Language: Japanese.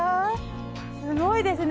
すごいですね